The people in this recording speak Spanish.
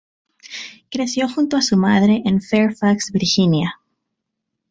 Creció junto a su madre en Fairfax, Virginia.